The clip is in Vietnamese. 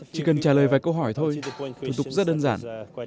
chỉ cần trả lời vài câu hỏi thôi thủ tục rất đơn giản